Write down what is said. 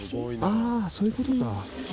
ああそういう事か。